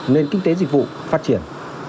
nên kinh tế dịch vụ phát triển